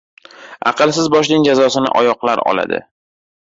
• Aqlsiz boshning jazosini oyoqlar oladi.